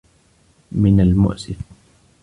من المؤسف.